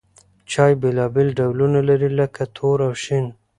چای بېلابېل ډولونه لري لکه تور او شین.